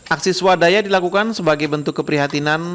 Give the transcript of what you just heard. aksi swadaya dilakukan sebagai bentuk keprihatinan